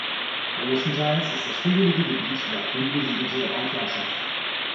Großenteils ist das hügelige Gebiet noch dünn besiedelte Waldlandschaft.